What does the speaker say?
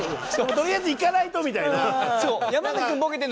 とりあえずいかないとみたいな。